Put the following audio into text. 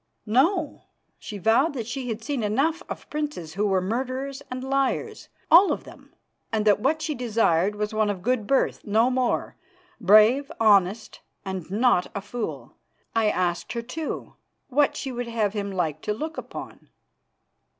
"No. She vowed that she had seen enough of princes, who were murderers and liars, all of them; and that what she desired was one of good birth, no more, brave, honest, and not a fool. I asked her, too, what she would have him like to look upon."